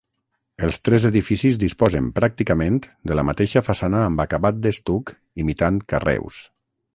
Els tres edificis disposen pràcticament de la mateixa façana amb acabat d'estuc imitant carreus.